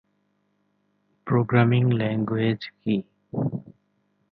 Programming language কি?